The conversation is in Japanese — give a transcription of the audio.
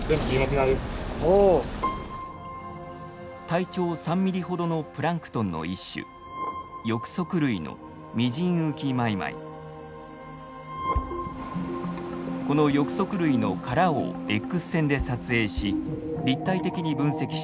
体長３ミリほどのプランクトンの一種この翼足類の殻をＸ線で撮影し立体的に分析していく。